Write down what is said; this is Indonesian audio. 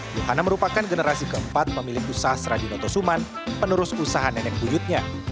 yuhana merupakan generasi keempat pemilik usaha serabi noto suman penerus usaha nenek buyutnya